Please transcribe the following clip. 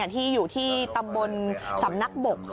ที่อยู่ที่ตำบลสำนักบก